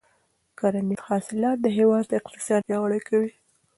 کرنیز حاصلات د هېواد اقتصاد پیاوړی کوي.